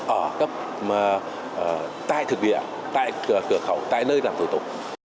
ở cấp tại thực viện tại cửa khẩu tại nơi làm thủ tục